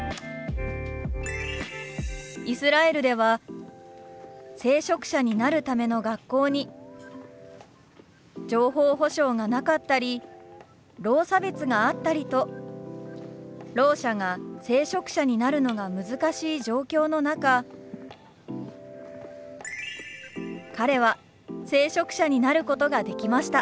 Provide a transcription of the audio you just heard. イスラエルでは聖職者になるための学校に情報保障がなかったりろう差別があったりとろう者が聖職者になるのが難しい状況の中彼は聖職者になることができました。